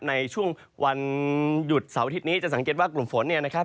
ในช่วงวันหยุดเสาร์อาทิตย์นี้จะสังเกตว่ากลุ่มฝนเนี่ยนะครับ